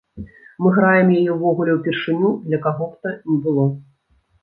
Мы граем яе ўвогуле ўпершыню для каго б то ні было.